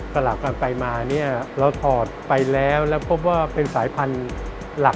สลับกันไปมาเนี่ยเราถอดไปแล้วแล้วพบว่าเป็นสายพันธุ์หลัก